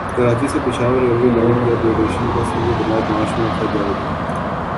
کراچی سے Peshawar railway line کی upgradation کا سنگ بنیاد مارچ میں رکھا جائے گا